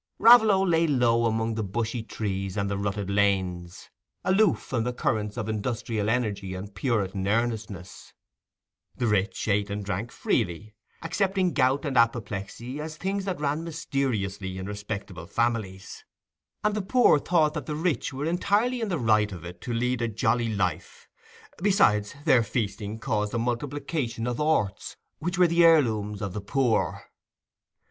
Raveloe lay low among the bushy trees and the rutted lanes, aloof from the currents of industrial energy and Puritan earnestness: the rich ate and drank freely, accepting gout and apoplexy as things that ran mysteriously in respectable families, and the poor thought that the rich were entirely in the right of it to lead a jolly life; besides, their feasting caused a multiplication of orts, which were the heirlooms of the poor.